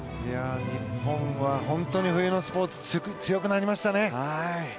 日本は本当に冬のスポーツ強くなりましたね。